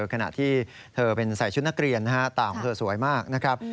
ขณะที่เธอเป็นใส่ชุดนักเรียนนะฮะตาของเธอสวยมากนะครับ